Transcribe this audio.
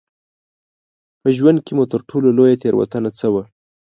په ژوند کې مو تر ټولو لویه تېروتنه څه وه؟